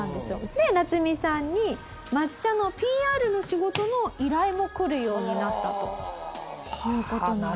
でナツミさんに抹茶のＰＲの仕事の依頼も来るようになったという事なんですよ。